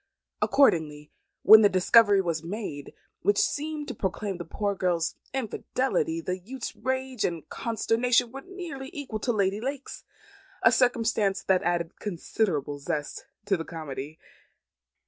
Accordingly, when the discovery was made, which seemed to proclaim the poor girl's infidelity, the youth's rage and consternation were nearly equal to Lady Lake's; a circumstance that added considerable zest to the comedy.